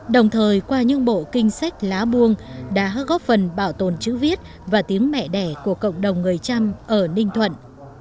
đồng thời qua những bộ kinh sách lá buông đã góp phần bảo tồn chữ viết và tiếng mẹ đẻ của cộng đồng người trăm ở ninh thuận